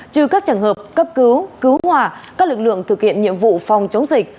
trừ các trường hợp cấp cứu cứu hỏa các lực lượng thực hiện nhiệm vụ phòng chống dịch